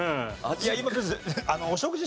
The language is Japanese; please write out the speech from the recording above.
いや今。